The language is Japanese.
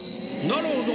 なるほど。